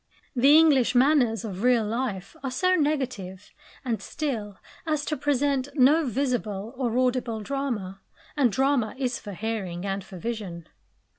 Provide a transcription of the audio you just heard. The English manners of real life are so negative and still as to present no visible or audible drama; and drama is for hearing and for vision.